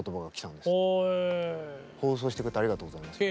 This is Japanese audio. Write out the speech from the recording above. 「放送してくれてありがとうございます」。